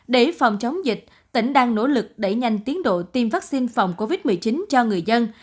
để phòng chống dịch tỉnh đang nỗ lực đẩy nhanh tiến độ tiêm vaccine phòng covid một mươi chín cho người dân